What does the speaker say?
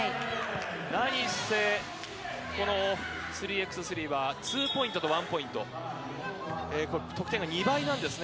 なにせ、この３ｘ３はツーポイントとワンポイント、これ、得点が２倍なんですね。